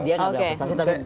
dia gak ada frustasi